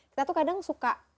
kita tuh kadang suka